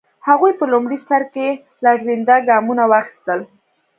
هغوی په لومړي سر کې لړزانده ګامونه واخیستل.